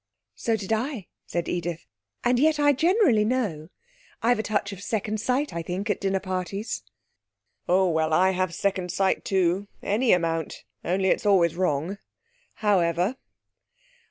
'So did I,' said Edith; 'and yet I generally know. I've a touch of second sight, I think at dinner parties.' 'Oh, well, I have second sight too any amount; only it's always wrong. However!...'